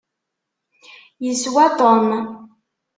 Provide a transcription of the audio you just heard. Iswa Tom.